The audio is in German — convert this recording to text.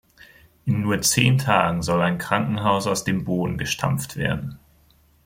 In nur zehn Tagen soll ein Krankenhaus aus dem Boden gestampft werden.